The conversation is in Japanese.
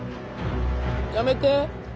やめて。